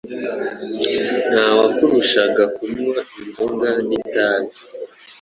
nta wakurushaga kunywa inzoga n’itabi